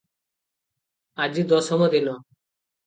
ଆଜି ଦଶମ ଦିନ ।